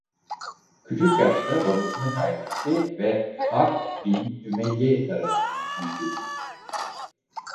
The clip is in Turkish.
Küçük yaşta babasını kaybetti ve Harb bin Ümeyye tarafından büyütüldü.